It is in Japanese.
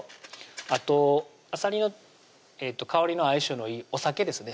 あとあさりの香りの相性のいいお酒ですね